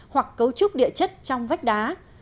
hoặc cấu trúc địa chất trong vách đá